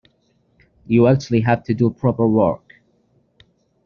You actually have to do proper work.